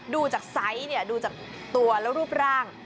ดูจากไซส์ดูจากตัวและรูปร่าง